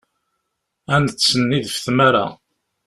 Ad nettsennid ɣef tmara.